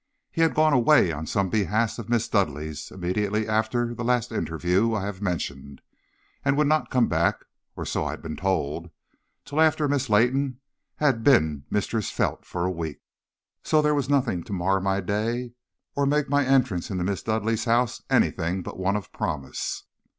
He had gone away on some behest of Miss Dudleigh's immediately after the last interview I have mentioned, and would not come back, or so I had been told, till after Miss Leighton had been Mistress Felt for a week. So there was nothing to mar my day or make my entrance into Miss Dudleigh's house anything but one of promise.